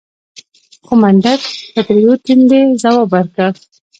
خو منډک په تريو تندي ځواب ورکړ.